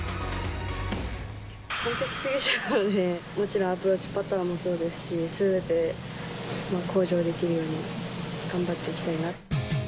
完璧主義者なんで、もちろんアプローチ、パターもそうですし、すべて向上できるように頑張っていきたいなって。